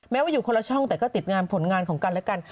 ว่าอยู่คนละช่องแต่ก็ติดงานผลงานของกันและกัน